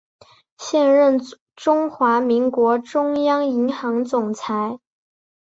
现任中华民国中央银行总裁。